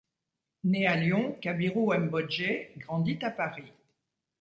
Né à Lyon, Kabirou Mbodje grandit à Paris.